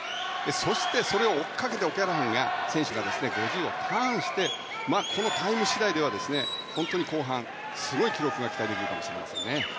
そして、それを追っかけてオキャラハン選手が５０ｍをターンしてこのタイム次第では本当に後半、すごい記録が期待できるかもしれませんね。